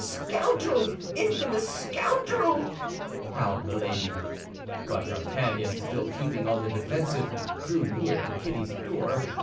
"Scoundrel, infamous scoundrel!" howled Milady. But D'Artagnan, still keeping on the defensive, drew near to Kitty's door.